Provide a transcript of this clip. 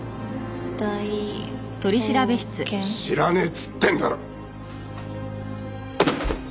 知らねえっつってんだろ！